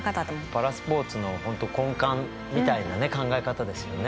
パラスポーツの本当根幹みたいなね考え方ですよね。